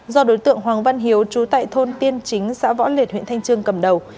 do đối tượng hoàng văn hiếu trú tại thôn tiên chính xã võ liệt huyện thanh trương cầm đầu